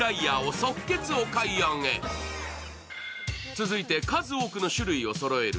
続いて、数多くの種類をそろえる